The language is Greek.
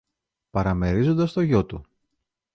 παραμερίζοντας το γιο του.